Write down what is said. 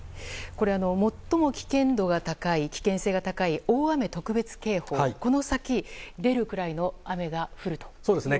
最も危険度が高い危険性が高い大雨特別警報この先、それが出るくらいの雨が降るということでしょうか？